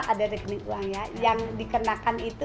ada rekening uang ya yang dikenakan itu